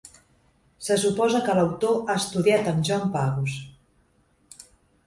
Se suposa que l'autor ha estudiat amb John Pagus.